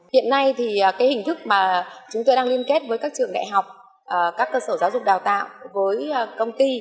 hiện nay thì cái hình thức mà chúng tôi đang liên kết với các trường đại học các cơ sở giáo dục đào tạo với công ty